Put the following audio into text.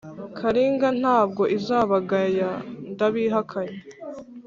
Karinga nta bwo izabagaya ndabihakanye.